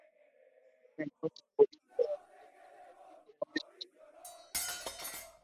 Se encuentra en Bolivia, el oeste de Brasil, Colombia, Ecuador, Guyana, Perú y Venezuela.